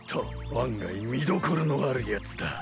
案外見どころのあるヤツだ。